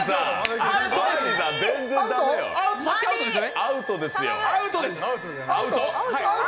アウトですよ。